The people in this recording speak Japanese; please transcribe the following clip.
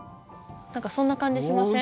そんな感じしません？